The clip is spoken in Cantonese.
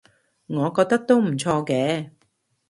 我覺得都唔錯嘅